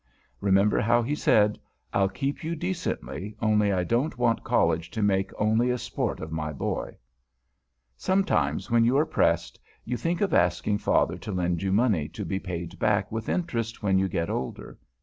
Remember how he said, "I'll keep you decently, only I don't want College to make only a sport of my boy." Sometimes, when you are pressed, you think of asking Father to lend you money to be paid back with interest, when you get older.